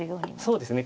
そうですね。